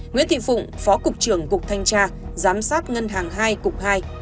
nguyễn thị phụng phó cục trưởng cục thanh tra giám sát ngân hàng hai cục hai